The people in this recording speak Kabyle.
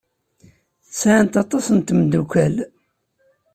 Sɛant aṭas n tmeddukal.